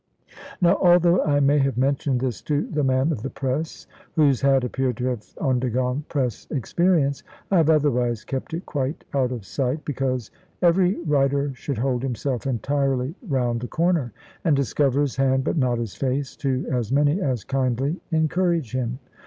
Now although I may have mentioned this to the man of the Press whose hat appeared to have undergone Press experience I have otherwise kept it quite out of sight, because every writer should hold himself entirely round the corner, and discover his hand, but not his face, to as many as kindly encourage him.